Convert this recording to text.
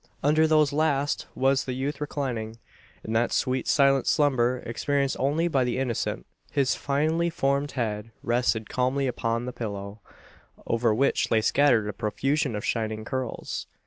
Under those last was the youth reclining; in that sweet silent slumber experienced only by the innocent. His finely formed head rested calmly upon the pillow, over which lay scattered a profusion of shining curls.